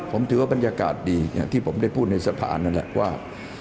ผมถือว่าบรรยากาศดีอย่างที่ผมได้พูดในสะพานนั่นแหละว่า